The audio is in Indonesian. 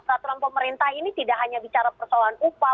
peraturan pemerintah ini tidak hanya bicara persoalan upah